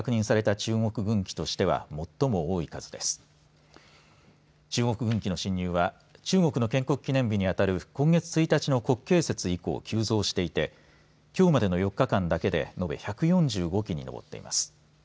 中国軍機の進入は中国の建国記念日にあたる今月１日の国慶節以降、急増していてきょうまでの４日間だけでのべ１４５機にのぼっています。